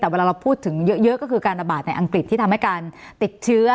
แต่เวลาเราพูดถึงเยอะก็คือการระบาดในอังกฤษที่ทำให้การติดเชื้อ